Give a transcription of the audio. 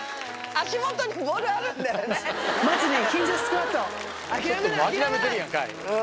足元にボールあるんだよね。